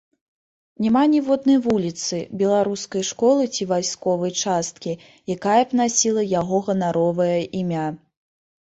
Няма ніводнай вуліцы, беларускай школы ці вайсковай часткі, якая б насіла яго ганаровае імя.